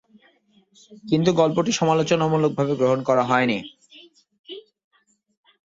কিন্তু গল্পটি সমালোচনামূলকভাবে গ্রহণ করা হয়নি।